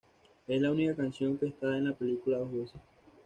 Es la única canción que está en la película dos veces".